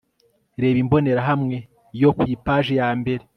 reba imbonerahamwe yo ku ipaji ya mbere